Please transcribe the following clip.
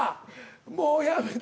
もうやめて。